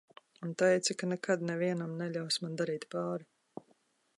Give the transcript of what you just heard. Un teica, ka nekad nevienam neļaus man darīt pāri.